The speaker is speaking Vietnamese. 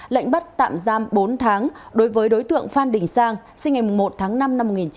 lệnh bắt tạm giam bốn tháng đối với đối tượng phan đình sang sinh ngày một tháng năm năm một nghìn chín trăm bảy mươi